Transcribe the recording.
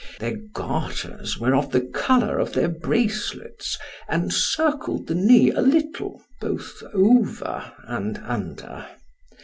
Their garters were of the colour of their bracelets, and circled the knee a little both over and under.